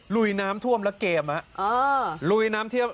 ลุยน้ำท่วมแล้วเกม